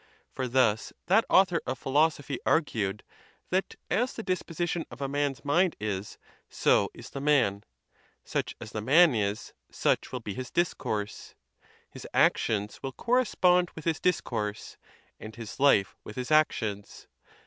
For thus that author of philosophy argued: that as the disposition of a man's mind is, so is the man; such as the man is, such will be his discourse; his actions will correspond with his dis course, and his life with his actions.